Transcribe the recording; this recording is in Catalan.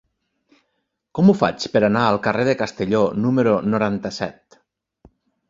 Com ho faig per anar al carrer de Castelló número noranta-set?